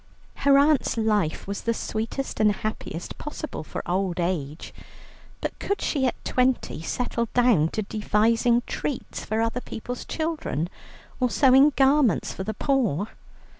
Her aunt's life was the sweetest and happiest possible for old age, but could she at twenty settle down to devising treats for other people's children, or sewing garments for the poor?